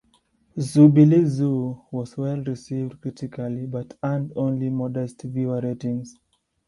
"Zoobilee Zoo" was well received critically, but earned only modest viewer ratings.